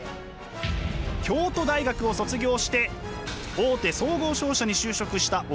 京都大学を卒業して大手総合商社に就職した小川先生。